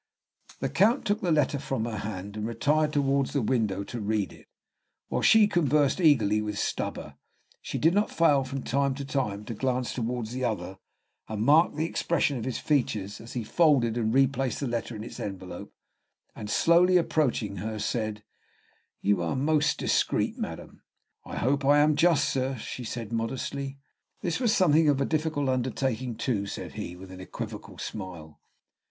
The Count took the letter from her hand, and retired towards the window to read it. While she conversed eagerly with Stubber, she did not fail from time to time to glance towards the other, and mark the expression of his features as he folded and replaced the letter in its envelope, and, slowly approaching her, said, "You are most discreet, madam." "I hope I am just, sir," said she, modestly. "This was something of a difficult undertaking, too," said he, with an equivocal smile.